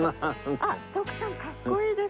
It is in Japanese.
あっ徳さんかっこいいです。